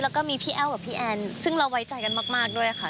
แล้วก็มีพี่แอ้วกับพี่แอนซึ่งเราไว้ใจกันมากด้วยค่ะ